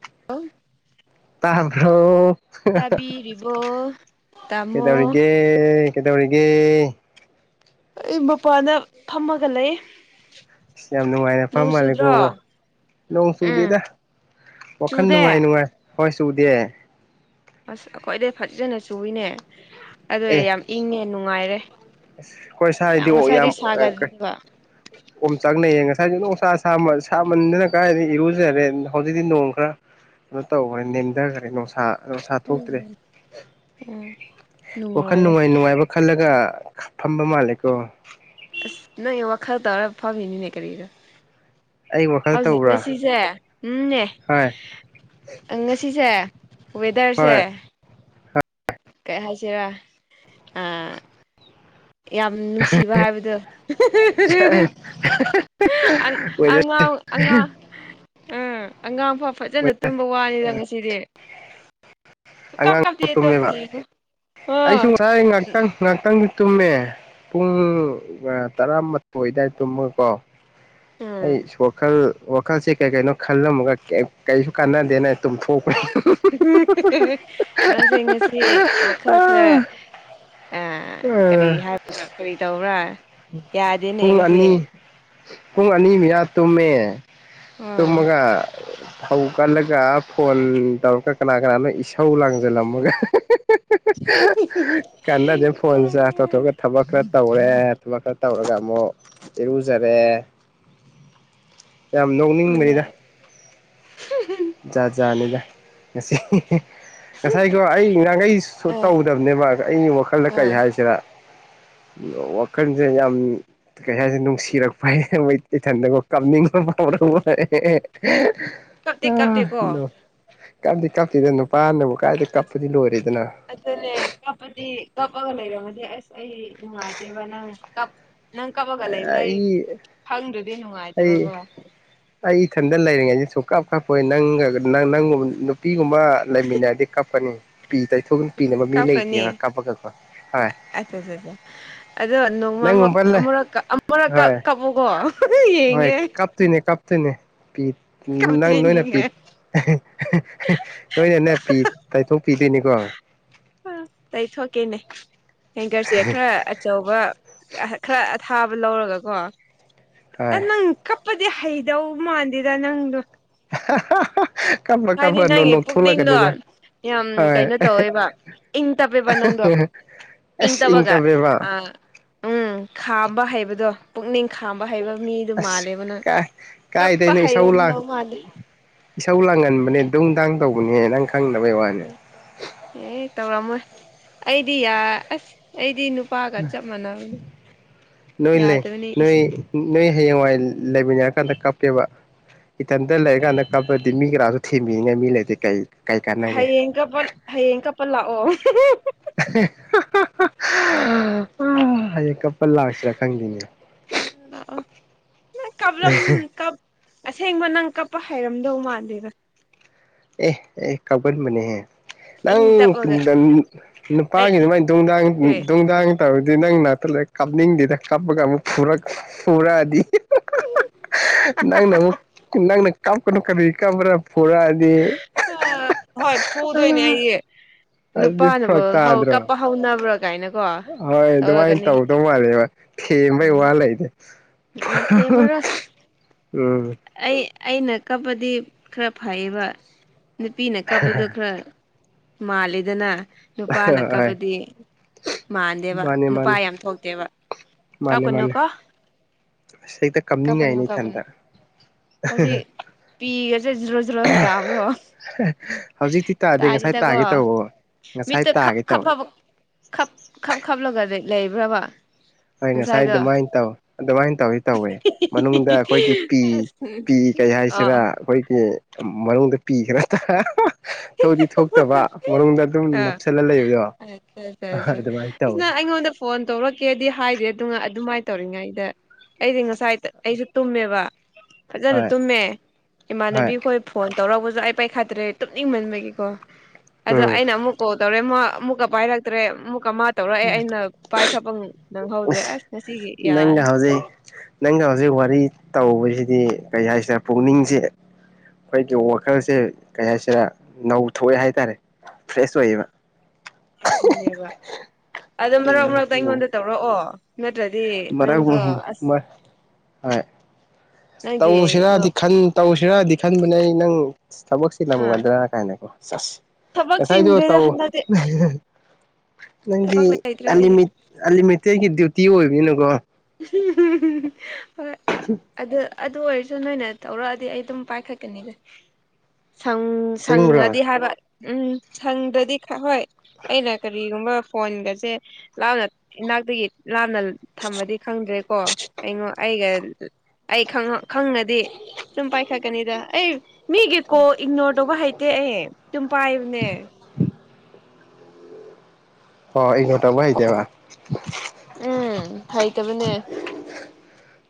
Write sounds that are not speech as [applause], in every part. [unintelligible] ꯇꯥꯕ꯭ꯔꯣ ꯇꯥꯕꯤꯔꯤꯕꯣ ꯇꯥꯃꯣ ꯀꯩꯗꯧꯔꯤꯒꯦ ꯀꯩꯗꯧꯔꯤꯒꯦ ꯑꯩ ꯃꯄꯥꯟꯗ ꯐꯝꯃꯒ ꯂꯩ ꯏꯁ ꯌꯥꯝ ꯅꯨꯡꯉꯥꯏꯅ ꯐꯝ ꯅꯣꯡ ꯃꯥꯜꯂꯦꯀꯣ ꯆꯨꯗ꯭ꯔꯣ [unintelligible] ꯅꯣꯡ ꯎꯝ ꯆꯨꯗꯦꯗ ꯋꯥꯈꯜ ꯆꯨꯗꯦ ꯅꯨꯡꯉꯥꯏ ꯅꯨꯡꯉꯥꯏ ꯍꯣꯏ ꯆꯨꯗꯦ ꯑꯁ ꯑꯩꯈꯣꯏꯗꯩ ꯐꯖꯅ ꯆꯨꯏꯅꯦ ꯑꯗꯨꯏ ꯌꯥꯝ ꯏꯪꯉꯦ ꯅꯨꯡꯉꯥꯏꯔꯦ ꯑꯩꯈꯣꯏ ꯌꯥꯝ ꯁ꯭ꯋꯥꯏꯗꯤ ꯉꯁꯥꯏꯗꯤ ꯁꯥ [unintelligible] ꯑꯣꯝ ꯆꯥꯛꯅꯩꯌꯦ ꯉꯁꯥꯏꯁꯨ ꯅꯨꯡꯁꯥ ꯁꯥꯃ ꯁꯥꯃꯟꯗꯅ ꯀꯥꯏꯗꯩ ꯏꯔꯨꯖꯔꯦ ꯍꯧꯖꯤꯛꯇꯤ ꯅꯣꯡ ꯈꯔ ꯀꯩꯅꯣ ꯇꯧꯈ꯭ꯔꯦ ꯅꯦꯝꯊꯈ꯭ꯔꯦ ꯅꯨꯡꯁꯥ ꯑ ꯅꯨꯡꯁꯥ ꯊꯣꯛꯇ꯭ꯔꯦ ꯎꯝ ꯋꯥꯈꯜ ꯅꯨꯡꯉꯥꯏꯔꯦ ꯅꯨꯡꯉꯥꯏ ꯅꯨꯡꯉꯥꯏꯕ ꯈꯜꯂꯒ ꯐꯝꯕ ꯃꯥꯜꯂꯦꯀꯣ ꯑꯁ ꯅꯪꯒꯤ ꯋꯥꯈꯜ ꯇꯧꯔ ꯐꯝꯃꯤꯅꯤꯅꯦ ꯀꯔꯤꯔ ꯑꯩ ꯋꯥꯈꯜ ꯍꯧꯖꯤꯛ ꯇꯧꯕ꯭ꯔꯥ ꯉꯁꯤꯁꯦ ꯎꯝꯅꯦ ꯍꯣꯏ ꯑ ꯉꯁꯤꯁꯦ ꯋꯦꯗꯔꯁꯦ ꯍꯣꯏ ꯀꯩ ꯍꯥꯏꯁꯤꯔ ꯑꯥ ꯌꯥꯝ ꯅꯨꯡꯁꯤꯕ ꯍꯥꯏꯕꯗꯣ ꯑꯪ ꯑꯪꯉꯥꯎ ꯑꯪꯉꯥ ꯎꯝ ꯑꯉꯥꯡꯐꯥꯎ ꯐꯖꯥꯅ ꯇꯨꯝꯕ ꯋꯥꯔꯦꯗ ꯉꯁꯤꯗꯤ ꯁꯨꯀꯞ ꯑꯉꯥꯡ ꯀꯞꯇꯦ ꯑꯗꯣ ꯇꯨꯝꯃꯦꯕ ꯌꯦꯡꯉꯣ ꯑꯩꯁꯨ ꯑꯣ ꯉꯁꯥꯏ ꯉꯥꯛꯇꯪ ꯉꯥꯛꯇꯪꯗꯤ ꯇꯨꯝꯃꯦ ꯄꯨꯡ ꯇꯔꯥꯃꯥꯊꯣꯏ ꯗꯥꯏ ꯇꯨꯝꯃꯒꯀꯣ ꯑꯩ ꯎꯝ ꯋꯥꯈꯜ ꯋꯥꯈꯜꯁꯦ ꯀꯩ ꯀꯩꯅꯣ ꯈꯜꯂꯝꯃꯒ ꯀꯩꯞ ꯀꯩꯁꯨ ꯀꯥꯟꯅꯗꯦꯅ ꯇꯨꯝꯊꯣꯛꯄꯅꯤ ꯅꯪꯁꯦ ꯉꯁꯤ ꯋꯥꯈꯜ ꯈ꯭ꯔ ꯑ ꯀꯔꯤ ꯍꯥꯏꯕ꯭ꯔꯥ ꯀꯔꯤ ꯇꯧꯕ꯭ꯔꯥ ꯌꯥꯗꯦꯅꯦ ꯄꯨꯡ ꯉꯁꯤ ꯑꯅꯤ ꯄꯨꯡ ꯑꯅꯤ ꯃ꯭ꯌꯥ ꯇꯨꯝꯃꯦ ꯎꯝ ꯇꯨꯝꯃꯒ [unintelligible] ꯍꯧ ꯀꯠꯂꯒ ꯐꯣꯟ ꯇꯧꯔꯒ ꯀꯅꯥ ꯀꯅꯥꯅꯣ ꯏꯁꯧ ꯂꯥꯡꯁꯜꯂꯝꯃꯒ ꯀꯥꯟꯅꯗꯦꯅ ꯐꯣꯟ ꯆꯥꯔꯖ ꯇꯧꯊꯣꯛꯒ ꯊꯕꯛ ꯈ꯭ꯔ ꯇꯧꯔꯦ ꯊꯕꯛ ꯈ꯭ꯔ ꯇꯧꯔꯒ ꯑꯃꯨꯛ ꯏꯔꯨꯖꯔꯦ ꯌꯥꯝ ꯅꯣꯛꯅꯤꯡꯕꯅꯤꯗ ꯅꯨꯡꯉꯥꯏ [inaudible] ꯖꯥꯠꯖꯥꯠꯅꯤꯗ ꯉꯁꯤ ꯉꯁꯥꯏꯒꯣ ꯑꯩ ꯉꯔꯥꯡꯒꯩꯁꯨ ꯑꯥ ꯇꯧꯗꯕꯅꯦꯕ ꯑꯩꯒꯤ ꯋꯥꯈꯜꯗ ꯀꯩ ꯑꯥ ꯍꯥꯏꯁꯤꯔ ꯅꯣ ꯋꯥꯛ ꯋꯥꯈꯜꯖꯦ ꯌꯥꯝ ꯀꯩ ꯍꯥꯏꯖꯦ ꯅꯨꯡꯁꯤꯔꯛꯄ ꯍ ꯍꯩ ꯃꯣꯏꯠ ꯏꯊꯟꯗꯀꯣ ꯀꯥꯞꯅꯤꯡꯕ ꯐꯥꯎꯔꯛꯄ ꯑꯦ ꯑꯦ ꯀꯞꯇꯤ ꯑ ꯀꯞꯇꯦꯀꯣ ꯅꯣꯛ ꯀꯞꯇꯤ ꯀꯝꯇꯦꯗ ꯅꯨ ꯄꯥꯅꯕꯨ ꯀꯥꯏꯗꯩ ꯑꯁ ꯀꯞꯄꯗꯤ ꯂꯣꯏꯔꯦꯗꯅ ꯑꯗꯨꯅꯦ ꯀꯞꯄꯗꯤ ꯀꯞꯄꯒ ꯂꯩꯔꯝꯃꯗꯤ ꯑꯁ ꯑꯩ ꯅꯨꯡꯉꯥꯏꯇꯦꯕ ꯅꯪ ꯀꯞ ꯅꯪ ꯀꯞꯄꯒ ꯂꯩꯗꯨꯗ ꯑꯩ ꯐꯪꯗ꯭ꯔꯗꯤ ꯑꯩ ꯅꯨꯡꯉꯥꯏꯇꯦꯕꯒꯣ ꯑꯩ ꯏꯊꯟꯗ ꯂꯩꯔꯤꯉꯩꯗꯤ ꯁꯨꯡꯀꯞ ꯀꯞꯄꯣꯏ ꯅꯪꯒꯒ ꯅꯪ ꯅꯪꯒꯨꯝꯕ ꯅꯨꯄꯤꯒꯨꯝꯕ ꯂꯩꯃꯤꯟꯅꯔꯗꯤ ꯀꯞꯀꯅꯤ ꯄꯤ ꯇꯩꯊꯣꯛ ꯄꯤꯅꯕ ꯃꯤ ꯂꯩꯇꯦ ꯍꯥꯕ ꯀꯥꯞꯄꯒꯀꯣ ꯑꯠ ꯆ ꯆ ꯆ ꯑꯗꯣ ꯅꯣꯡꯃ ꯑꯃꯛ ꯅꯪꯒꯨꯝꯕ ꯂꯩ ꯑꯃꯨꯔꯛꯀ ꯑꯝ ꯃꯔꯛꯀ ꯍꯣꯏ ꯀꯥꯞꯕꯨꯀꯣ ꯌꯦꯡꯒꯦ ꯇꯨꯏꯅꯦ ꯀꯞꯇꯨꯏꯅꯦ ꯄꯤꯠ ꯅꯪ ꯅꯣꯏꯅ ꯀꯞꯇꯣꯏꯅꯤꯅꯦ ꯄꯤꯠ ꯅꯣꯏꯅꯅꯦ ꯄꯤ ꯇꯥꯏꯊꯣꯛ ꯄꯤꯗꯩꯅꯤꯀꯣ ꯑ ꯇꯥꯏꯊꯣꯛꯀꯦꯅꯦ ꯍꯦꯡꯒꯔꯁꯦ ꯈ꯭ꯔ ꯑꯆꯧꯕ ꯑꯍ ꯈ꯭ꯔ ꯑꯊꯥꯕ ꯂꯧꯔꯒꯀꯣ ꯑ ꯍꯣꯏ ꯅꯪ ꯀꯞꯄꯗꯤ ꯍꯩꯗꯧ ꯃꯥꯟꯗꯦꯗ ꯅꯪꯗꯣ [unintelligible] ꯍꯥꯏꯗꯤ ꯀꯞꯄ ꯅꯣꯛ ꯅꯪꯒꯤ ꯄꯨꯛꯅꯤꯡꯗꯣ ꯅꯣꯛꯊꯣꯛꯂꯛꯀꯅꯤꯗ ꯌꯥꯝ ꯍꯣꯏ ꯀꯩꯅꯣ ꯇꯧꯋꯦꯕ ꯏꯪ ꯇꯞꯄꯦꯕ ꯅꯪꯗꯣ ꯏꯪ ꯑꯁ ꯇꯞꯕꯒ ꯏꯪꯇꯕꯦꯕ ꯑ ꯎꯝ ꯈꯥꯝꯕ ꯍꯩꯕꯗꯣ ꯄꯨꯛꯅꯤꯡ ꯈꯥꯝꯕ ꯍꯩꯕ ꯃꯤꯗꯨ ꯑꯁ ꯃꯥꯜꯂꯦꯕ ꯅꯪ ꯀꯥꯏ ꯀꯞꯄ ꯀꯥꯏꯗꯩꯅꯣ ꯏꯁꯧ ꯂꯥꯡ ꯍꯩꯔꯝꯗꯧ ꯃꯥꯟꯗꯦ ꯏꯁꯧ ꯂꯥꯡꯒꯟꯕꯅꯦ ꯗꯨꯡꯗꯥꯡ ꯇꯧꯕꯅꯦ ꯅꯪ ꯈꯪꯗꯕꯩ ꯋꯥꯅꯦ ꯑꯦ ꯇꯧꯔꯝꯃꯣꯏ ꯑꯩꯗꯤ ꯌꯥ ꯑꯁ ꯑꯩꯗꯤ ꯅꯨ ꯄꯥꯒ ꯆꯞ ꯃꯥꯟꯅꯕꯅꯦ ꯅꯣꯏ ꯂꯩ ꯌꯥꯗꯕꯅꯦ ꯅꯣꯏ ꯏꯁꯦ ꯅꯣꯏ ꯍꯌꯦꯡꯋꯥꯏ ꯂ ꯂꯩꯃꯤꯟꯅꯔꯀꯥꯟꯗ ꯀꯥꯞꯀꯦꯕ ꯏꯊꯟꯇ ꯂꯩꯔꯀꯥꯟꯗ ꯀꯞꯄꯗꯤ ꯃꯤ ꯀꯅꯥꯁꯨ ꯊꯦꯝꯕꯤꯅꯤꯉꯥꯏ ꯃꯤ ꯂꯩꯇꯦ ꯀꯩ ꯀꯩ ꯀꯥꯟꯅꯒꯦ ꯍꯌꯦꯡ ꯀꯞꯄꯜ ꯍꯌꯦꯡ ꯀꯞꯄ ꯂꯥꯛꯑꯣ ꯍꯌꯦꯡ ꯀꯞꯄ ꯂꯥꯛꯁꯤꯔ ꯈꯪꯗꯦꯅꯦ ꯂꯥꯛꯑꯣ ꯅꯪ ꯀꯞꯂꯝ ꯀꯞ ꯑꯁꯦꯡꯕ ꯅꯪ ꯀꯞꯄ ꯍꯥꯏꯔꯝꯗꯧ ꯃꯥꯥꯟꯗꯦꯕ ꯑꯦ ꯑꯦ ꯀꯥꯞꯒꯟꯕꯅꯦꯍꯦ꯫ ꯅꯪ ꯏꯪ ꯇꯞꯄꯒ ꯇꯨꯡꯗꯟ ꯑꯩ ꯅꯨꯄꯥꯒꯤ ꯗꯨꯃꯥꯏꯟ ꯗꯨꯡꯗꯥꯡ ꯀꯔꯤ ꯗꯨꯡꯗꯥꯡ꯫ ꯇꯧꯕꯗꯤ ꯅꯪ ꯅꯥꯛꯇ ꯂꯩꯔ ꯀꯥꯞꯅꯤꯡꯗꯦꯗ ꯀꯥꯞꯄꯒ ꯑꯃꯨꯛ ꯐꯨꯔꯛ ꯐꯨꯔꯛꯑꯗꯤ꯫ ꯅꯪꯅ ꯑꯃꯨꯛ ꯅꯪꯅ ꯀꯥꯞꯀꯅꯨ ꯀꯔꯤꯒꯤ ꯀꯞꯄ꯭ꯔ ꯐꯨꯔꯥꯛ ꯑꯥ꯫ ꯍꯣꯏ ꯐꯨꯗꯣꯏꯅꯦ ꯑ ꯑꯩꯌꯦ꯫ ꯑꯗꯨꯗꯤ ꯅꯨꯄꯥꯅꯕꯣ ꯐꯔꯛ ꯍꯧ ꯇꯥꯗ꯭ꯔꯣ ꯀꯞꯄꯥ ꯍꯧꯅꯕ꯭ꯔ꯫ ꯍꯣꯏ ꯑꯗꯨꯃꯥꯏꯟ ꯇꯧꯗꯧ ꯃꯥꯜꯂꯦꯕ ꯊꯦꯝꯕꯩ ꯋꯥ ꯎꯝ ꯂꯩꯇꯦ꯫ ꯎꯝ ꯊꯦꯝꯃꯔꯣꯏ ꯎꯝ꯫ ꯑꯩ ꯑꯩꯅ ꯀꯞꯄꯗꯤ ꯈꯔ ꯐꯩꯌꯦꯕ꯫ ꯅꯨꯄꯤꯅ ꯀꯥꯞꯄꯗꯣ ꯈꯔ ꯃꯥꯜꯂꯦꯗꯅ꯫ ꯅꯨꯄꯥꯅ ꯍꯣꯏ ꯀꯞꯕꯗꯤ ꯃꯥꯟꯗꯦꯕ ꯃꯥꯅꯦ ꯅꯨꯄꯥ ꯃꯥꯅꯦ ꯌꯥꯝ ꯊꯣꯛꯇꯦꯕ꯫ ꯃꯥꯅꯦ ꯀꯥꯞꯀꯅꯨ ꯃꯥꯅꯦ ꯀꯣ꯫ ꯑꯁ ꯍꯦꯛꯇ ꯀꯞꯅꯤꯡꯉꯥꯛꯏꯅꯦ ꯏꯊꯟꯇ꯫ ꯑꯥꯎꯗꯤ ꯄꯤꯒꯁꯦ ꯖ꯭ꯔ꯫ ꯖ꯭ꯔꯣ ꯇꯥꯕ꯭ꯔꯣ ꯍꯧꯖꯤꯛꯇꯤ ꯇꯥꯗꯦ ꯉꯁꯥꯏ ꯇꯥꯗꯤꯗꯀꯣ꯫ ꯇꯥꯒꯦ ꯇꯧꯕ ꯉꯁꯥꯏ ꯃꯤꯠꯇ ꯇꯥꯒꯦ ꯈꯞꯈꯞ ꯇꯧꯋꯦ ꯈꯞ ꯈ ꯈꯞ ꯈꯞꯂꯒ ꯂꯩꯕ꯭ꯔꯕ꯫ ꯍꯣꯏ ꯉꯁꯥꯏ ꯉꯁꯥꯏꯗꯣ ꯑꯗꯨꯃꯥꯏꯟ ꯇꯧ ꯑꯗꯨꯃꯥꯏꯟ ꯇꯧꯋꯤ ꯇꯧꯋꯦ ꯃꯅꯨꯡꯗ ꯑꯩꯈꯣꯏꯒꯤ ꯄꯤ꯫ ꯄꯤ ꯀꯩ ꯑ ꯍꯥꯏꯁꯤꯔ ꯑꯩꯈꯣꯏꯒꯤ ꯃꯅꯨꯡꯗ ꯄꯤ ꯈꯔ ꯇꯥ꯫ ꯊꯣꯛꯇꯤ ꯊꯣꯛꯇꯕ ꯃꯅꯨꯡꯗ ꯑꯗꯨꯝ ꯑ ꯅꯞꯁꯤꯜꯂ ꯂꯩꯕꯗꯣ ꯑꯗꯨꯃꯥꯏꯅ ꯇꯧꯋꯦ꯫ ꯅꯪ ꯑꯩꯉꯣꯟꯗ ꯐꯣꯟ ꯇꯧꯔꯛꯀꯦꯗꯤ ꯍꯥꯏꯗꯦ ꯑꯗꯨꯉꯥ ꯑꯗꯨꯃꯥꯏꯅ ꯇꯧꯔꯤꯉꯩꯗ꯫ ꯑꯩꯗꯤ ꯉꯁꯥꯏ ꯑꯩꯁꯨ ꯇꯨꯝꯃꯦꯕ ꯐꯖꯅ ꯍꯣꯏ ꯇꯨꯝꯃꯦ ꯍꯣꯏ ꯏꯃꯥꯟꯅꯕꯤꯈꯣꯏ꯫ ꯐꯣꯟ ꯇꯧꯔꯛꯄꯁꯨ ꯑꯩ ꯄꯥꯏꯈꯠꯇꯔ꯭ꯦ ꯑꯩ ꯇꯨꯝꯅꯤꯡꯃꯟꯕꯒꯤꯀꯣ꯫ ꯑꯗꯣ ꯎꯝ꯫ ꯑꯩꯅ ꯑꯃꯨꯛ ꯀꯣꯜ ꯇꯧꯔꯦ ꯃꯥ ꯑꯃꯨꯛꯀ ꯄꯥꯏꯔꯛꯇ꯭ꯔꯦ ꯃꯨꯛꯀ ꯃꯥ ꯇꯧꯔꯛꯑꯦ ꯑꯩꯅ ꯄꯥꯏꯈꯠꯄ ꯅꯪꯍꯧꯗ꯭ꯔꯦ ꯑꯁ ꯉꯁꯤꯒꯤ ꯌꯥꯔꯅꯤ꯫ ꯅꯪꯅ ꯍꯧꯖꯤꯛ ꯋꯥꯔꯤ ꯇꯧꯕꯁꯤꯗꯤ ꯀꯩ ꯍꯥꯏꯁꯤꯔ ꯄꯨꯛꯅꯤꯡꯁꯦ꯫ ꯈꯣꯏꯒꯤ ꯋꯥꯈꯜꯁꯦ ꯀꯩ ꯍꯥꯏꯁꯤꯔ ꯅꯧ ꯊꯣꯛꯑꯦ ꯍꯥꯏ ꯇꯥꯔꯦ ꯐ꯭ꯔꯦꯁ ꯑꯣꯏꯌꯦꯕ꯫ ꯑꯗꯨꯅꯦꯕ꯫ ꯑꯗꯣ ꯃꯔꯛ ꯃꯔꯛꯇ ꯎꯝ ꯑꯩꯉꯣꯟꯗ ꯇꯧꯔꯛꯑꯣ ꯅꯠꯇ꯭ꯔꯗꯤ ꯃꯔꯛ ꯅꯪꯗꯣ ꯑꯁ꯫ ꯍꯣꯏ ꯅꯪꯒꯤ ꯇꯧꯁꯤꯔꯗꯤ ꯈꯟ ꯇꯧꯁꯤꯔꯗꯤ ꯈꯟꯕꯅꯦ ꯑꯩ ꯅꯪ꯫ ꯑꯁ ꯑꯥ ꯊꯕꯛꯁꯤꯂꯝꯒꯗ꯭ꯔꯥ ꯀꯥꯏꯅꯀꯣ ꯁꯦꯁ ꯊꯕꯛ ꯉꯁꯥꯏꯗꯣ ꯆꯤꯟꯗ꯭ꯔꯦꯗ ꯇꯧ꯫ ꯍꯟꯗꯛꯇꯤ ꯅꯪꯗꯤ ꯊꯕꯛ ꯂꯩꯇ꯭ꯔꯦ ꯑꯩꯒꯤ ꯑꯟꯂꯤꯃꯤꯠ ꯑꯟꯂꯤꯃꯤꯇꯦꯠꯒꯤ ꯗ꯭ꯌꯨꯇꯤ ꯑꯣꯏꯕꯅꯤꯅꯀꯣ꯫ ꯍꯣꯏ ꯑꯗꯣ꯫ ꯑꯗꯨ ꯑꯣꯏꯔꯁꯨ ꯅꯣꯏꯅ ꯇꯧꯔꯛꯑꯗꯤ ꯑꯩ ꯗꯨꯝ ꯄꯥꯏꯈꯠꯀꯅꯤꯗ꯫ ꯁꯪ ꯑꯁꯦꯡꯕ꯭ꯔꯣ ꯁꯪꯉꯗꯤ ꯍꯥꯏꯕ ꯎꯝ ꯁꯪꯗꯗꯤ ꯍꯣꯏ꯫ ꯑꯩꯅ ꯀꯔꯤꯒꯨꯝꯕ ꯐꯣꯟꯒꯁꯦ ꯂꯥꯞꯅ ꯏꯅꯥꯛꯇꯒꯤ ꯂꯥꯞꯅ ꯊꯝꯃꯗꯤ꯫ ꯈꯪꯗ꯭ꯔꯦꯀꯣ ꯑꯩꯉꯣꯟ ꯑꯩꯒ ꯑꯩ ꯈꯪꯉ ꯈꯪꯉꯗꯤ꯫ ꯇꯨꯝ ꯄꯥꯏꯈꯠꯀꯅꯤꯗ ꯑꯩ꯫ ꯃꯤꯒꯤ ꯀꯣ ꯏꯒꯅꯣꯔ ꯇꯧꯕ ꯍꯩꯇꯦ ꯑꯩ ꯗꯨꯝ ꯄꯥꯏꯕꯅꯦ꯫ ꯍꯣ ꯏꯛꯅꯣꯔ ꯇꯧꯕ ꯍꯩꯇꯦꯕ꯫ ꯎꯝ ꯍꯩ ꯇꯕꯅꯦ꯫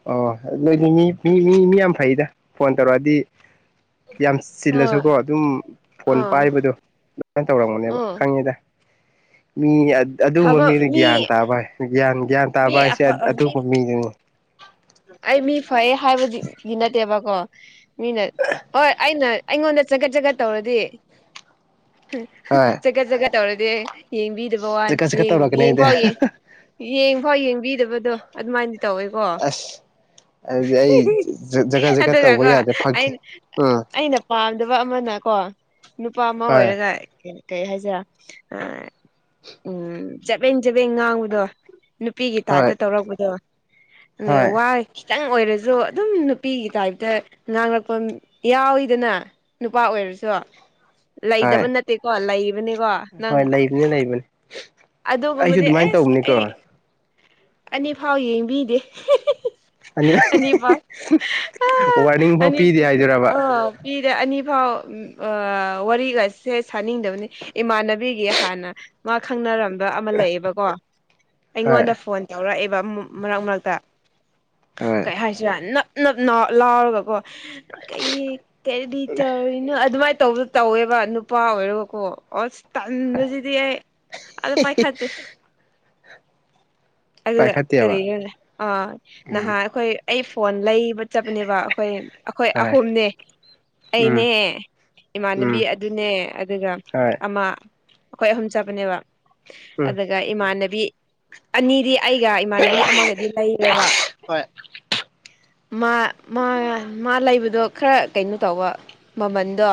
ꯑꯣ ꯅꯣꯏꯗꯤ ꯃꯤ ꯃꯤ ꯃꯤ ꯃꯤ ꯌꯥꯝ ꯐꯩꯗ ꯐꯣꯟ ꯇꯧꯔꯛꯑꯗꯤ ꯌꯥꯝ ꯍꯣꯏ ꯆꯤꯜꯂꯁꯨꯀꯣ ꯗꯨꯝ ꯐꯣꯟ ꯑꯥ ꯄꯥꯏꯕꯗꯣ ꯑꯗꯨꯃꯥꯏꯅ ꯇꯧꯔꯝꯒꯅꯦꯕ ꯎꯝ ꯈꯪꯉꯦꯗ ꯃꯤ ꯑꯗꯨꯒꯨꯝꯕ ꯊꯕꯛ ꯃꯤꯗꯨ ꯃꯤ ꯒ꯭ꯌꯥꯟ ꯇꯥꯕ ꯍꯥꯏ ꯒ꯭ꯌꯥꯟ ꯒ꯭ꯌꯥꯟ ꯃꯤ ꯇꯥꯕ ꯍꯥꯏꯁꯦ ꯃꯤ ꯑꯗꯨꯒꯨꯝ ꯃꯤꯗꯨꯅꯤ ꯑꯩ ꯃꯤ ꯐꯩꯌꯦ ꯍꯥꯏꯕꯒꯤ ꯒꯤ ꯅꯠ ꯅꯠꯇꯦꯕꯀꯣ ꯃꯤꯅ ꯍꯣꯏ ꯑꯩꯅ ꯑꯩꯉꯣꯟꯗ ꯆꯒꯠ ꯆꯒꯠ ꯇꯧꯔꯗꯤ ꯍꯣꯏ ꯆꯒꯠ ꯆꯒꯠ ꯇꯧꯗꯦ ꯌꯦꯡꯕꯤ ꯆꯀꯠ ꯆꯀꯠ [unintelligible] ꯇꯧꯔꯛꯀꯅꯤ ꯌꯦꯡ ꯑꯩꯗꯤ ꯐꯥꯎ ꯌꯦꯡ ꯐꯥꯎ ꯌꯦꯡꯕꯤꯗꯕꯗꯣ ꯑꯗꯨꯃꯥꯏꯅꯗꯤ ꯇꯧꯋꯦꯀꯣ ꯑꯁ ꯑꯗꯨꯗꯤ ꯑꯩ ꯆꯒꯥꯠ ꯆꯒꯥꯠ ꯇꯧꯕ ꯑꯗꯨꯒꯀꯣ ꯌꯥꯗꯦ ꯐꯒꯤ ꯑꯩꯅ ꯑꯩꯅ ꯄꯥꯝꯗꯕ ꯑꯃꯅꯀꯣ ꯅꯨꯄꯥ ꯑꯃ ꯍꯣꯏ ꯑꯣꯏꯔꯒ ꯀꯩ ꯍꯥꯏꯁꯤꯔ ꯎꯝ ꯆꯥꯕꯦꯡ ꯆꯥꯕꯦꯡ ꯉꯥꯡꯕꯗꯣ ꯅꯨꯄꯤꯒꯤ ꯍꯣꯏ ꯇꯥꯏꯞꯇ ꯇꯧꯔꯛꯄꯗꯣ ꯍꯣꯏ ꯋꯥꯏ ꯈꯤꯇꯪ ꯑꯣꯏꯔꯁꯨ ꯑꯗꯨꯝ ꯅꯨꯄꯤꯒꯤ ꯇꯥꯏꯞꯇ ꯉꯥꯡꯂꯛꯄ ꯌꯥꯎꯋꯤꯗꯅ ꯅꯨꯄꯥ ꯑꯣꯏꯔꯁꯨ ꯂꯩꯇꯕ ꯍꯣꯏ ꯅꯠꯇꯦꯀꯣ ꯂꯩꯕꯅꯤꯀꯣ ꯅꯪ ꯍꯣꯏ ꯂꯩꯕꯅꯤ ꯂꯩꯕꯅꯤ ꯑꯩꯁꯨ ꯑꯗꯨꯒꯨꯝꯕꯗꯤ ꯑꯗꯨꯃꯥꯏꯅ ꯑꯦꯁ ꯇꯧꯕꯅꯤꯀꯣ ꯑꯩ ꯑꯅꯤꯐꯥꯎ ꯌꯦꯡꯕꯤꯗꯦ ꯑꯅꯤ ꯐꯥꯎ ꯋꯥꯔꯅꯤꯡ ꯐꯥꯎ ꯑꯅꯤ ꯑꯥ ꯄꯤꯗꯦ ꯑꯅꯤ ꯍꯥꯏꯗꯨꯔꯕ ꯑꯥ ꯃꯤꯗ ꯑꯅꯤ ꯐꯥꯎ ꯑꯥ ꯋꯥꯔꯤꯒꯁꯦ ꯁꯥꯅꯤꯡꯗꯕꯅꯤ ꯏꯃꯥꯟꯅꯕꯤꯒꯤ ꯍꯥꯟꯅ ꯃꯥ ꯈꯪꯅꯔꯝꯕ ꯑꯃ ꯂꯩꯑꯦꯕꯀꯣ ꯍꯣꯏ ꯑꯩꯉꯣꯟꯗ ꯐꯣꯟ ꯇꯧꯔꯛꯑꯦꯕ ꯃꯔꯛ ꯃꯔꯛꯇ ꯍꯣꯏ ꯀꯩ ꯍꯥꯏꯁꯤꯔꯥ ꯅꯞ ꯅꯞ ꯂꯥꯎꯔꯒꯀꯣ ꯀꯩ ꯀꯔꯤ ꯇꯧꯔꯤ ꯑꯗꯨꯃꯥꯏꯅ ꯇꯧꯕꯗ ꯇꯧꯋꯦꯕ ꯅꯨꯄꯥ ꯑꯣꯏꯔꯣꯀꯣ ꯑꯁ ꯇꯟꯕꯁꯤꯗꯤ ꯑꯩ ꯑꯗꯨ ꯄꯥꯏꯈꯠꯇꯦ ꯑꯗꯨꯒ ꯄꯥꯏꯈꯠꯇꯦꯕ ꯀꯔꯤꯅꯣ ꯑꯥ ꯎꯝ ꯅꯍꯥꯟ ꯑꯩꯈꯣꯏ ꯑꯩ ꯐꯣꯟ ꯂꯩꯕ ꯆꯠꯄꯅꯦꯕ ꯑꯩꯈꯣꯏ ꯑꯩꯈꯣꯏ ꯍꯣꯏ ꯑꯍꯨꯝꯅꯦ ꯑꯩꯅꯦ ꯎꯝ ꯏꯃꯥꯟꯅꯕꯤ ꯎꯝ ꯑꯗꯨꯅꯦ ꯑꯗꯨꯒ ꯍꯣꯏ ꯑꯃ ꯑꯩꯈꯣꯏ ꯑꯍꯨꯝ ꯆꯠꯄꯅꯦꯕ ꯎꯝ ꯑꯗꯨꯒ ꯏꯃꯥꯟꯅꯕꯤ ꯑꯅꯤ ꯗꯤ ꯑꯩꯒ ꯏꯃꯥꯟꯅꯕꯤ ꯑꯃꯒꯗꯤ ꯂꯩꯔꯦꯕ ꯍꯣꯏ ꯃꯥ ꯃꯥ ꯂꯩꯕꯗꯣ ꯈꯔ ꯀꯩꯅꯣ ꯇꯧꯕ ꯃꯥꯃꯟꯗꯣ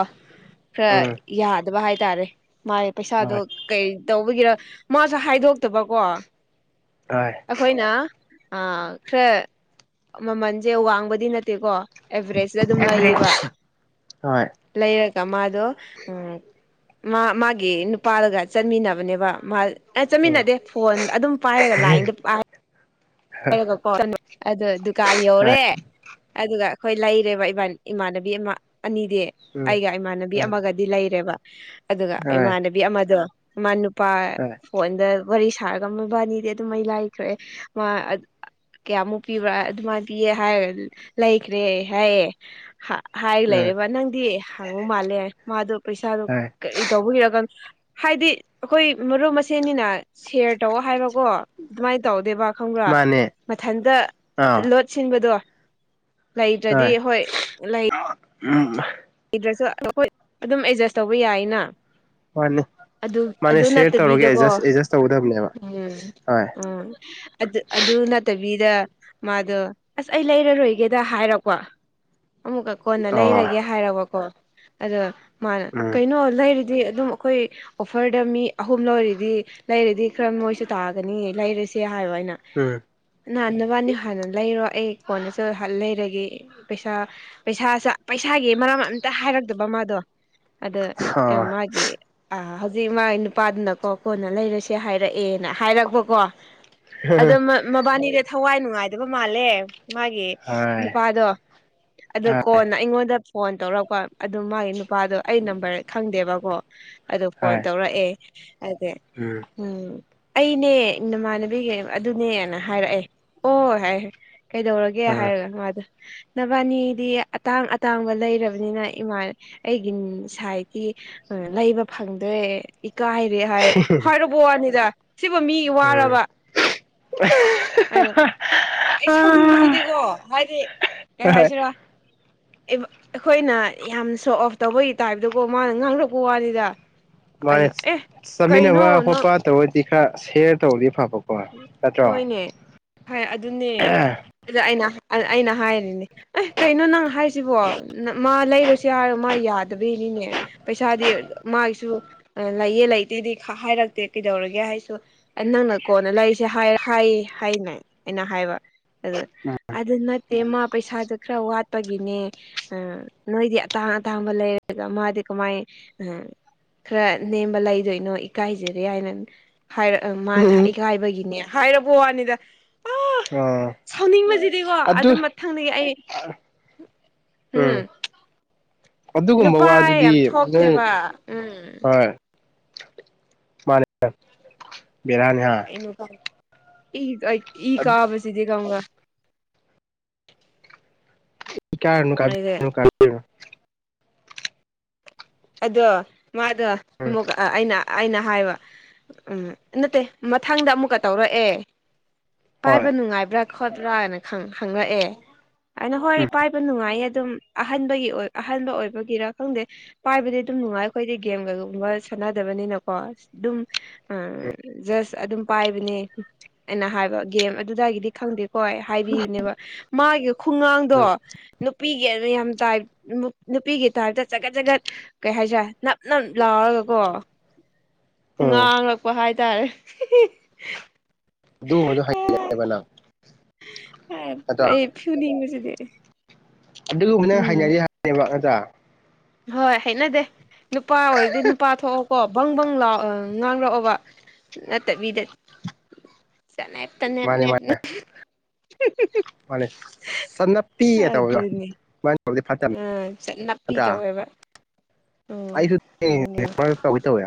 ꯈꯔ ꯎꯝ ꯌꯥꯗꯕ ꯍꯥꯏꯇꯥꯔꯦ ꯃꯥꯥꯏ ꯄꯩꯁꯥꯗꯣ ꯍꯣꯏ ꯀꯩ ꯇꯧꯕꯒꯤꯔ ꯃꯥꯁꯨ ꯍꯥꯏꯗꯣꯛꯇꯕꯀꯣ ꯑꯥꯢ ꯑꯩꯈꯣꯏꯅ ꯑꯥ ꯈꯔ ꯃꯥꯃꯟꯁꯦ ꯋꯥꯡꯕꯗꯤ ꯅꯠꯇꯦꯀꯣ ꯑꯦꯚꯔꯦꯁꯇ ꯑꯗꯨꯝ ꯎꯝ ꯍꯣꯏ ꯎꯝ ꯍꯣꯏ ꯂꯩꯌꯦꯕ ꯂꯩꯔꯒ ꯃꯥꯗꯣ ꯎꯝ ꯃꯥ ꯃꯥꯒꯤ ꯅꯨꯄꯥꯒ ꯆꯠꯃꯤꯟꯅꯕꯅꯦꯕ ꯃꯥ ꯑꯦ ꯆꯠꯃꯤꯟꯅꯗꯦ ꯐꯣꯟ ꯑꯗꯨꯝ ꯄꯥꯏꯔꯒ [unintelligible] ꯍꯥꯏꯔꯒꯀꯣ ꯑꯗꯣ ꯗꯨꯀꯥꯟ ꯌꯧꯔꯦ ꯑꯗꯨꯒ ꯑꯩꯈꯣꯏ ꯂꯩꯔꯦꯕ ꯏꯃꯥꯟꯅꯕꯤ ꯑꯃ ꯑꯅꯤꯗꯤ ꯑꯩꯒ ꯏꯃꯥꯟꯅꯕꯤ ꯑꯃꯒꯗꯤ ꯂꯩꯔꯦꯕ ꯑꯗꯨꯒ ꯍꯣꯏ ꯏꯃꯥꯟꯅꯕꯤ ꯑꯃꯗꯣ ꯃꯥ ꯅꯨꯄꯥ ꯐꯣꯟꯗ ꯋꯥꯔꯤ ꯁꯥꯔꯒ ꯃꯣꯏꯕꯥꯅꯤꯗꯤ ꯑꯗꯨꯝ ꯑꯩ ꯂꯥꯏꯈ꯭ꯔꯦ ꯃꯥ ꯀꯌꯥꯃꯨꯛ ꯄꯤꯕ꯭ꯔꯥ ꯑꯗꯨꯃꯥꯏꯅ ꯄꯤꯌꯦ ꯍꯥꯏꯔꯒ ꯂꯩꯈ꯭ꯔꯦ ꯍꯥꯏꯌꯦ ꯍꯥꯏꯔꯒ ꯎꯝ ꯂꯩꯔꯦꯕ ꯅꯪꯗꯤ ꯍꯪꯕ ꯃꯥꯜꯂꯦ ꯃꯥꯗꯣ ꯄꯩꯁꯥꯗꯣ ꯍꯣꯏ ꯀꯔꯤ ꯇꯧꯕꯒꯤꯔ ꯈꯪ ꯍꯥꯏꯗꯤ ꯑꯩꯈꯣꯏ ꯃꯔꯨꯞ ꯃꯁꯦꯟꯅꯤꯅ ꯁꯤꯌꯔ ꯇꯧ ꯍꯥꯏꯕꯀꯣ ꯑꯗꯨꯃꯥꯏꯅ ꯇꯧꯗꯦꯕ ꯈꯪꯕ ꯃꯥꯅꯦ ꯃꯊꯟꯇ ꯑꯥ ꯂꯣꯠ ꯁꯤꯟꯕꯗꯣ ꯂꯩꯗ꯭ꯔꯗꯤ ꯍꯣꯏ ꯂꯩ ꯎꯝ ꯂꯩꯗ꯭ꯔꯥꯁꯨ ꯑꯩꯈꯣꯏ ꯑꯗꯨꯝ ꯑꯦꯗꯖꯁ ꯇꯧꯕ ꯌꯥꯏꯅ ꯃꯥꯅꯤ ꯑꯗꯨ ꯑꯗꯨ ꯅꯠꯇꯥꯕꯤꯗꯀꯣ ꯇꯧꯒꯗꯕꯅꯦꯕ ꯎꯝ ꯍꯣꯏ ꯎꯝ ꯑꯗꯨ ꯑꯗꯨ ꯅꯠꯇꯕꯤꯗ ꯃꯥꯗꯣ ꯑꯁ ꯑꯩ ꯂꯩꯔꯔꯣꯏꯒꯦꯗ ꯍꯥꯏꯔꯛꯄ ꯑꯃꯨꯛꯀꯥ ꯀꯣꯟꯅ ꯂꯩꯔꯒꯦ ꯑꯣ ꯍꯥꯏꯔꯕꯀꯣ ꯑꯗꯣ ꯃꯥꯅ ꯎꯝ ꯀꯩꯅꯣ ꯂꯩꯔꯗꯤ ꯑꯗꯨꯝ ꯈꯣꯏ ꯑꯣꯐꯔꯗ ꯃꯤ ꯑꯍꯨꯝ ꯂꯧꯔꯤꯗꯤ ꯂꯩꯔꯗꯤ ꯈꯔ ꯃꯣꯏꯁꯨ ꯇꯥꯒꯅꯤ ꯂꯩꯔꯁꯦ ꯍꯥꯏꯌꯣ ꯑꯩꯅ ꯎꯝ ꯅꯍꯥꯟ ꯅꯕꯅꯤ ꯍꯥꯟꯅ ꯂꯩꯔꯣ ꯑꯩ ꯀꯣꯟ ꯆꯠꯂꯥ ꯍꯜ ꯂꯩꯔꯒꯦ ꯄꯩꯁꯥ ꯄꯩꯁꯥ ꯆꯥ ꯄꯩꯁꯥꯒꯤ ꯃꯔꯝ ꯑꯝꯇꯥ ꯍꯥꯏꯔꯛꯇꯕ ꯃꯥꯗꯣ ꯑꯗꯥ ꯑꯦ ꯃꯥꯒꯤ ꯑꯥ ꯍꯧꯖꯤꯛ ꯃꯥꯒꯤ ꯅꯨꯄꯥꯗꯨꯅꯀꯣ ꯀꯣꯟꯅ ꯂꯩꯔꯁꯦ ꯍꯥꯏꯔꯛꯑꯦꯅ ꯍꯥꯏꯔꯛꯄꯀꯣ ꯑꯗꯣ ꯃꯥ ꯃꯕꯥꯅꯤꯗꯤ ꯊꯋꯥꯏ ꯅꯨꯡꯉꯥꯏꯗꯕ ꯃꯥꯜꯂꯦ ꯃꯥꯒꯤ ꯅꯨꯄꯥꯗꯣ ꯑꯗꯨ ꯀꯣꯟꯅ ꯑꯩꯉꯣꯟꯗ ꯐꯣꯟ ꯇꯧꯔꯛꯄ ꯑꯗꯨ ꯃꯥꯒꯤ ꯅꯨꯄꯥꯗꯣ ꯑꯩ ꯅꯝꯕꯔ ꯈꯪꯗꯦꯕꯀꯣ ꯑꯗꯨ ꯐꯣꯟ ꯇꯧꯔꯛꯑꯦ ꯑꯗꯨ ꯎꯝ ꯎꯝ ꯑꯩꯅꯦ ꯅꯃꯥꯟꯅꯕꯤꯒꯤ ꯑꯗꯨꯅꯦꯅ ꯍꯥꯏꯔꯛꯑꯦ ꯑꯣ ꯍꯥꯏ ꯀꯩꯗꯧꯔꯒꯦ ꯍꯥꯏꯔꯒꯥ ꯃꯥꯗꯣ ꯅꯕꯥꯅꯤ ꯗꯤ ꯑꯇꯥꯡ ꯑꯇꯥꯡꯕ ꯂꯩꯔꯕꯅꯤꯅ ꯏꯃꯥ ꯑꯩꯒꯤ ꯁꯥꯏꯠꯀꯤ ꯎꯝ ꯂꯩꯕ ꯐꯪꯗ꯭ꯔꯦ ꯏꯀꯥꯏꯔꯦ ꯍꯥꯏ ꯍꯥꯏꯔꯕꯣ ꯋꯥꯅꯤꯗ ꯁꯤꯕꯨ ꯃꯤ ꯋꯥꯔꯕ [unintelligible] ꯑꯩꯅ ꯑꯩ ꯁꯥꯎꯅꯤꯡꯕꯖꯤꯗꯤꯀꯣ ꯍꯥꯏꯗꯤ ꯀꯩ ꯍꯥꯏꯁꯤꯔꯥ ꯑꯩꯕ ꯑꯩꯈꯣꯏꯅ ꯌꯥꯝ ꯁꯣ ꯑꯣꯐ ꯇꯧꯕꯒꯤ ꯇꯥꯏꯞꯇꯥꯀꯣ ꯃꯥꯅ ꯉꯥꯡꯂꯛꯄ ꯋꯥꯅꯤꯗ ꯃꯥꯅꯦ ꯑꯩꯅ ꯑꯦ ꯀꯩꯅꯣ ꯆꯥꯃꯤꯟꯅꯕ ꯅꯪ ꯈꯣꯠꯄ ꯇꯧꯔꯗꯤ ꯈꯔ ꯁꯦꯌꯔ ꯇꯧꯔꯗꯤ ꯐꯕ ꯍꯣꯏꯅꯦ ꯐꯩ ꯑꯗꯨꯅꯦ ꯑꯗꯨ ꯑꯩꯅ ꯑꯩꯅ ꯍꯥꯏꯔꯤꯅꯦ ꯑꯦ ꯀꯩꯅꯣ ꯅꯪ ꯍꯥꯏꯔꯤꯁꯤꯕꯣ ꯃꯥ ꯂꯩꯔꯨꯁꯤ ꯍꯥꯏꯔꯣ ꯃꯥ ꯌꯥꯗꯕꯩꯅꯤꯅꯦ ꯄꯩꯁꯥꯗꯤ ꯃꯥꯒꯤꯁꯨ ꯑꯥ ꯂꯩꯌꯦ ꯂꯩꯇꯦꯗꯤ ꯍꯥꯏꯔꯛꯇꯦ ꯀꯩꯗꯧꯔꯒꯦ ꯍꯥꯏꯁꯨ ꯑꯥ ꯅꯪꯅꯛ ꯀꯣꯟꯅ ꯂꯩꯁꯦ ꯍꯥꯏ ꯍꯥꯏ ꯍꯥꯏꯅꯦ ꯑꯩꯅ ꯍꯥꯏꯕ ꯑꯗꯨ ꯑꯗꯨ ꯅꯠꯇꯦ ꯃꯥ ꯄꯩꯁꯥꯗꯨ ꯈꯔ ꯋꯥꯠ ꯄꯒꯤꯅꯦ ꯑꯥ ꯅꯣꯏꯗꯤ ꯑꯇꯥꯡ ꯑꯇꯥꯡꯕ ꯂꯩꯔꯒ ꯃꯥꯗꯤ ꯀꯃꯥꯏ ꯎꯝ ꯈꯔ ꯅꯦꯝꯕ ꯂꯩꯗꯣꯏꯅꯣ ꯏꯀꯥꯏꯖꯔꯦ ꯍꯥꯏꯅ ꯍꯥꯏꯔꯛ ꯑꯥ ꯃꯥꯅ ꯎꯝ ꯏꯀꯥꯏꯕꯒꯤꯅꯦ ꯍꯥꯏꯔꯛꯄ ꯋꯥꯅꯤꯗꯥ ꯑꯥ ꯁꯥꯎꯅꯤꯡꯕꯖꯤꯗꯤꯀꯣ ꯑꯗꯨ ꯑꯗꯨꯝ ꯃꯊꯪꯗꯥꯒꯤ ꯑꯩ ꯎꯝ ꯑꯗꯨꯒꯨꯝꯕ ꯅꯨꯄꯥ ꯌꯥꯝ ꯋꯥꯗꯨꯗꯤ ꯅꯣꯏ ꯊꯣꯛꯇꯦꯕ ꯎꯝ ꯍꯣꯏ ꯃꯥꯅꯦ ꯕꯦꯔꯥꯅꯤ ꯍꯥ [unintelligible] ꯏ ꯏ ꯀꯥꯕ ꯁꯤꯗꯤ ꯈꯪꯕ꯭ꯔꯥ ꯏꯀꯥꯏꯔꯨꯅꯨ ꯀꯥꯕꯤ [unintelligible] [unintelligible] ꯑꯗꯣ ꯃꯥꯗꯣ ꯎꯝ ꯑꯃꯨꯒꯥ ꯑꯥ ꯑꯩꯅ ꯑꯩꯅ ꯍꯥꯏꯕ ꯎꯝ ꯅꯠꯇꯦ ꯃꯊꯪꯗ ꯑꯃꯨꯛꯀꯥ ꯇꯧꯔꯛꯑꯦ ꯍꯣꯏ ꯄꯥꯏꯕ ꯅꯨꯡꯉꯥꯏꯕ꯭ꯔꯥ ꯈꯣꯠꯄ꯭ꯔꯥꯅ ꯈꯪ ꯍꯪꯪꯂꯛꯑꯦ ꯑꯩꯅ ꯍꯣꯏ ꯎꯝ ꯄꯥꯏꯕ ꯅꯨꯡꯉꯥꯏꯌꯦ ꯑꯗꯨꯝ ꯑꯍꯟꯕꯒꯤ ꯑꯣꯏ ꯑꯍꯟꯕ ꯑꯣꯏꯕꯒꯤꯔ ꯈꯪꯗꯦ ꯄꯥꯏꯕꯗꯤ ꯑꯗꯨꯝ ꯅꯨꯡꯉꯥꯏ ꯑꯩꯈꯣꯏꯗꯤ ꯒꯦꯝꯒꯩꯒꯨꯝꯕ ꯁꯥꯟꯅꯗꯕꯅꯤꯅꯀꯣ ꯑꯗꯨꯝ ꯎꯝ ꯖꯁ ꯑꯗꯨꯝ ꯄꯥꯏꯕꯅꯦ ꯑꯩꯅ ꯍꯥꯏꯕ ꯒꯦꯝ ꯑꯗꯨꯗꯒꯤꯗꯤ ꯈꯪꯗꯦꯀꯣ ꯍꯥꯏꯕꯤꯕꯅꯦꯕ ꯃꯥꯒꯤ ꯈꯨꯉꯥꯡꯗꯣ ꯎꯝ ꯅꯨꯄꯤꯒꯤ ꯌꯥꯝ ꯇꯥꯏꯞ ꯅꯨꯄꯤꯒꯤ ꯇꯥꯏꯞꯇ ꯆꯒꯠ ꯆꯒꯠ ꯀꯩ ꯍꯥꯏꯁꯤꯔꯥ ꯅꯞ ꯅꯞ ꯂꯥꯎꯔꯒꯀꯣ ꯎꯝ ꯉꯥꯡꯉꯛꯄ ꯍꯥꯏ ꯍꯥꯢꯇꯥꯔꯦ ꯑꯗꯨꯒꯨꯝꯕꯗꯨ ꯍ [unintelligible] ꯅꯪ ꯑꯦ ꯅꯠꯇ꯭ꯔꯣ ꯑꯩ ꯐꯨꯅꯤꯡꯕꯁꯤꯗꯤ ꯑꯗꯨꯒꯨꯝꯕꯗꯨ ꯅꯪ ꯎꯝ ꯍꯩꯅꯗꯦ ꯍꯥꯢꯕꯅꯦ ꯅꯠꯇ꯭ꯔꯥ ꯍꯣꯏ ꯍꯩꯅꯗꯦ ꯅꯨꯄꯥ ꯑꯣꯏꯔꯗꯤ ꯅꯨꯄꯥ ꯊꯣꯛꯑꯣ ꯀꯣ ꯕꯪ ꯕꯪ ꯂꯥꯛꯑꯣ ꯉꯥꯡꯔꯛꯑꯣꯕ ꯅꯠꯇꯕꯤꯗ [unintelligible] [unintelligible] ꯃꯥꯅꯤ ꯆꯥꯅꯞꯄꯤꯒ ꯇꯧꯕꯗꯣ ꯑꯗꯨꯅꯤ [unintelligible] ꯑ ꯅꯞꯄꯤ ꯐꯠꯇ꯭ꯔꯥ ꯇꯧꯋꯦꯕ ꯎꯝ ꯑꯩꯁꯨ ꯑꯗꯨꯅꯦ [unintelligible] ꯇꯧꯋꯤ ꯇꯧꯋꯤ